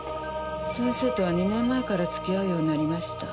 先生とは２年前から付き合うようになりました。